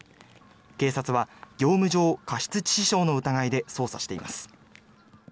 警察は業務上過失致死傷の疑いで捜査しています。